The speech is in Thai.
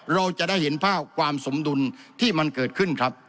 เราจะได้เห็นภาพความสมดุลที่มันเกิดขึ้นครับ